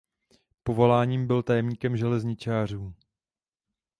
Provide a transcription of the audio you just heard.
Povoláním byl tajemníkem železničářů.